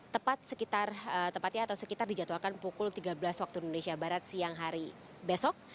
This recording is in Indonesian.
tepat sekitar tepatnya atau sekitar dijadwalkan pukul tiga belas waktu indonesia barat siang hari besok